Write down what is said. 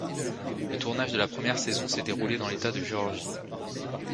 Le tournage de la première saison s'est déroulé dans l'état de Géorgie.